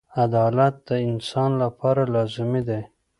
• عدالت د انسان لپاره لازمي دی.